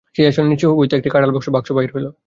সেই আসনের নীচে হইতে একটি কাঁঠালকাঠের বাক্স বাহির হইল।